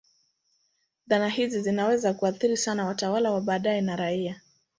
Dhana hizi zinaweza kuathiri sana watawala wa baadaye na raia.